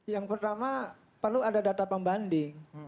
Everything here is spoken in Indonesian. yang pertama perlu ada data pembanding